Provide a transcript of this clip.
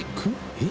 えっ？